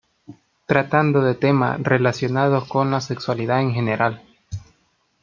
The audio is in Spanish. Tratando temas relacionados con la sexualidad en general.